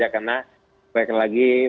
karena baik lagi